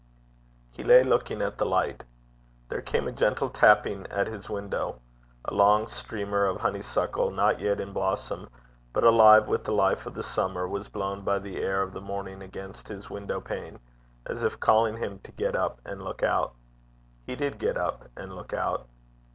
He lay looking at the light. There came a gentle tapping at his window. A long streamer of honeysuckle, not yet in blossom, but alive with the life of the summer, was blown by the air of the morning against his window pane, as if calling him to get up and look out. He did get up and look out.